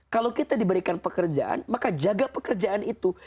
kalau kita diberikan pekerjaan maka jaga pekerjaan itu